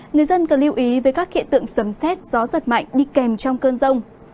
người dân cần lưu ý về các hiện tượng sầm xét gió giật mạnh đi kèm trong cơn rông